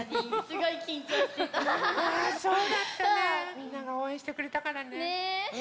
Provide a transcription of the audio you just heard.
みんながおうえんしてくれたからね。ね。